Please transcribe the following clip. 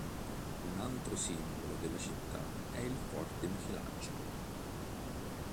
Un altro simbolo della città è il Forte Michelangelo.